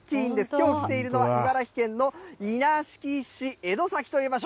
きょう来ているのは、茨城県の稲敷市江戸崎という場所。